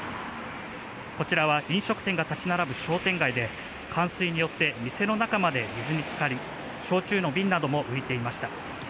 こちらは飲食店が立ち並ぶ商店街で冠水によって店の中まで水につかり焼酎の瓶なども浮いていました。